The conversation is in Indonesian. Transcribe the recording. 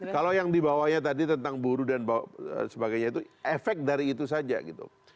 kalau yang dibawanya tadi tentang buruh dan sebagainya itu efek dari itu saja gitu